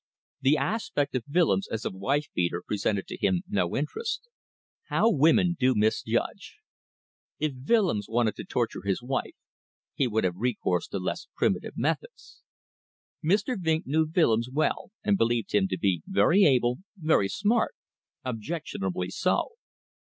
The aspect of Willems as a wife beater presented to him no interest. How women do misjudge! If Willems wanted to torture his wife he would have recourse to less primitive methods. Mr. Vinck knew Willems well, and believed him to be very able, very smart objectionably so.